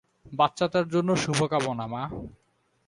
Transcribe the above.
বাচ্চাটার জন্য শুভকামনা, মা।